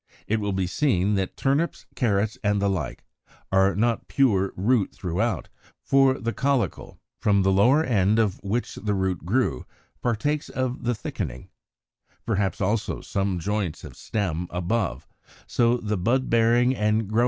It will be seen that turnips, carrots, and the like, are not pure root throughout; for the caulicle, from the lower end of which the root grew, partakes of the thickening, perhaps also some joints of stem above: so the bud bearing and growing top is stem.